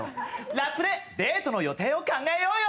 ラップでデートの予定を考えようよ！